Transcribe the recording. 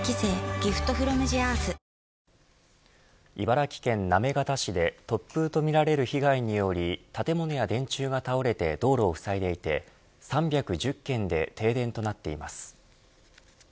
ＧｉｆｔｆｒｏｍｔｈｅＥａｒｔｈ茨城県行方市で突風とみられる被害により建物や電柱が倒れて道路をふさいでいて３１０軒で停電となっています。